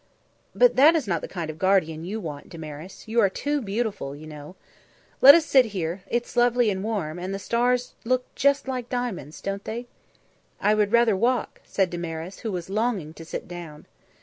"But that is not the kind of guardian you want, Damaris you are too beautiful, you know. Let us sit here; it's lovely and warm, and the stars look just like diamonds, don't they?" "I would rather walk," said Damaris, who was longing to sit down.